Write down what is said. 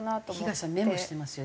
東さんメモしてますよ。